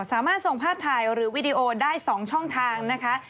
สามารถส่งภาพถ่ายหรือวีดีโอได้๒ช่องทางนะคะ